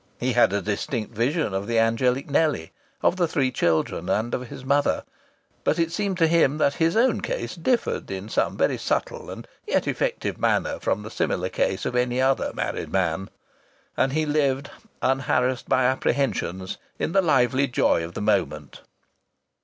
He had a distinct vision of the angelic Nellie, of the three children, and of his mother. But it seemed to him that his own case differed in some very subtle and yet effective manner from the similar case of any other married man. And he lived, unharassed by apprehensions, in the lively joy of the moment.